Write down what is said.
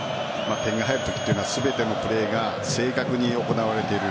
点が入るときは全てのプレーが正確に行われている。